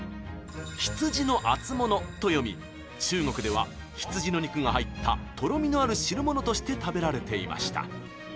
「羊の羹」と読み中国では、羊の肉が入ったとろみのある汁物として食べられていました。